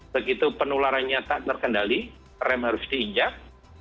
begitu penularannya tak terkendali rem harus diinjak